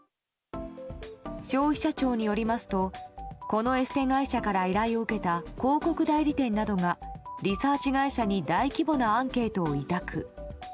消費者庁によりますとこのエステ会社から依頼を受けた広告代理店などがリサーチ会社に大規模なアンケートを委託。